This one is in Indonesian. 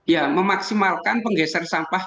ya memaksimalkan penggeser sampah